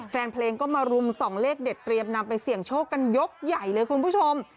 แฟนเพลงก็มารุมส่องเลขเด็ดเตรียมนำไปเสี่ยงโชคกันยกใหญ่เลยคุณผู้ชม